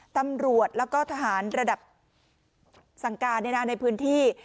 ตำรวจแล้วก็ทหารระดับสั่งการในพื้นที่